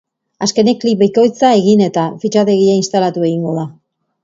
Azkenik, klik bikoitza egin eta fitxategia instalatu egingo da.